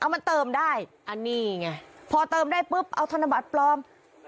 มันเติมได้อันนี้ไงพอเติมได้ปุ๊บเอาธนบัตรปลอม